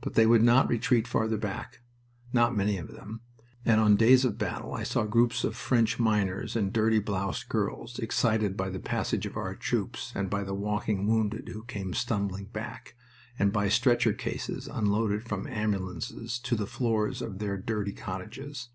But they would not retreat farther back not many of them and on days of battle I saw groups of French miners and dirty bloused girls excited by the passage of our troops and by the walking wounded who came stumbling back, and by stretcher cases unloaded from ambulances to the floors of their dirty cottages.